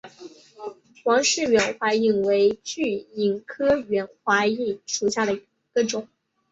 王氏远环蚓为巨蚓科远环蚓属下的一个种。